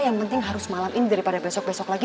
yang penting harus malam ini daripada besok besok lagi